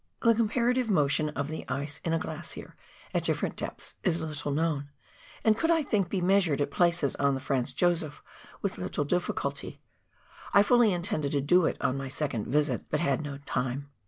The comparative motion of the ice in a glacier at different depths is little known, and could, I think, be measured at places on the Franz Josef with little difficulty ; I fully intended to do it on my second visit, but had no time.